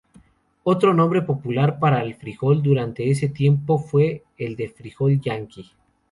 Otro nombre popular para el frijol durante ese tiempo fue el de "frijol Yankee".